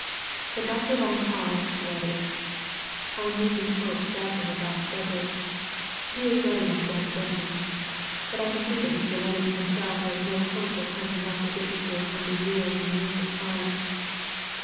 Then after a pause, she added: "I am losing hope sadly about Frederick; he is letting us down gently, but I can see that Mr. Lennox himself has no hope of hunting up the witnesses under years and years of time.